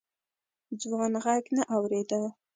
ځوان غږ نه اورېده.